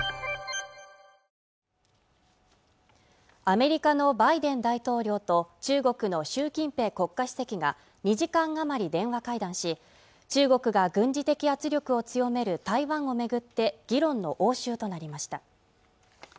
アメリカのバイデン大統領と中国の習近平国家主席が２時間あまり電話会談し中国が軍事的圧力を強める台湾を巡って議論の応酬となりました